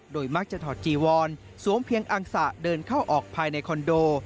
มักจะถอดจีวอนสวมเพียงอังสะเดินเข้าออกภายในคอนโด